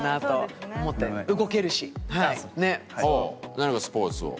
何かスポーツを？